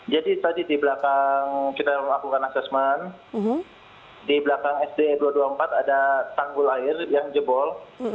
jadi tadi di belakang kita lakukan asesmen di belakang sd dua ratus dua puluh empat ada tanggul air yang jebol